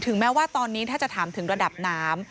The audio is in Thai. แม้ว่าตอนนี้ถ้าจะถามถึงระดับน้ำ